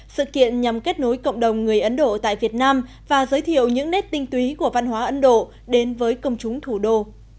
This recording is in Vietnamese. sự kiện nhằm kết nối cộng đồng người ấn độ tại việt nam và giới thiệu những nét tinh túy của văn hóa ấn độ đến với công chúng thủ đô